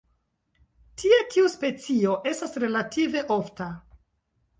Tie tiu specio estas relative ofta.